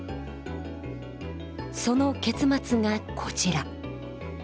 その結末がこちら。